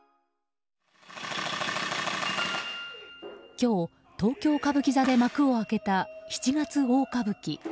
今日、東京歌舞伎座で幕を開けた「七月大歌舞伎」。